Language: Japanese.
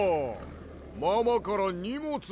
ママからにもつだで。